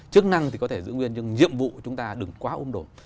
chức năng thì có thể giữ nguyên nhưng nhiệm vụ chúng ta đừng quá ôm đồ